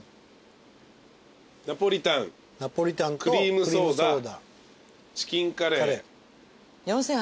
ナポリタンクリームソーダチキンカレー。